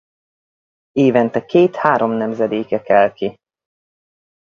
Évente két-három nemzedéke kel ki.